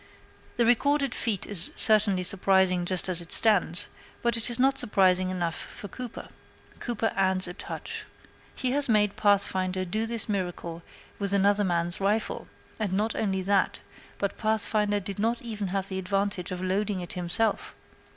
The recorded feat is certainly surprising just as it stands; but it is not surprising enough for Cooper. Cooper adds a touch. He has made Pathfinder do this miracle with another man's rifle; and not only that, but Pathfinder did not have even the advantage of loading it himself.